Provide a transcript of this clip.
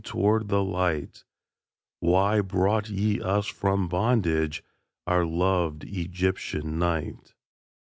toward the light: "Why brought ye us from bondage, Our loved Egyptian night?"